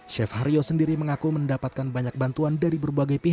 chef haryo sendiri mengaku mendapatkan banyak bantuan dari berbagai pihak